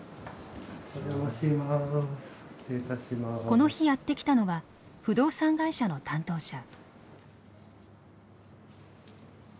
この日やって来たのは不動産会社の担当者。